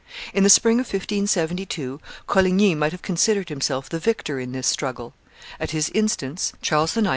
In the spring of 1572 Coligny might have considered himself the victor in this struggle; at his instance Charles IX.